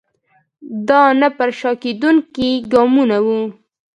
دا نه پر شا کېدونکي ګامونه وو.